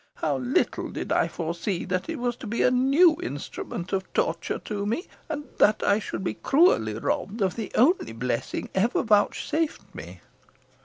How little did I foresee that it was to be a new instrument of torture to me; and that I should be cruelly robbed of the only blessing ever vouchsafed me!"